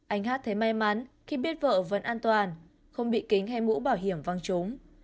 anh hát thấy may mắn khi biết vợ vẫn an toàn không bị kính hay mũ bảo hiểm văng trúng